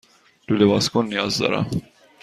لوله بازکن نیاز دارم.